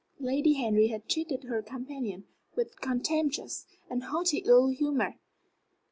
Lady Henry had treated her companion with a contemptuous and haughty ill humor.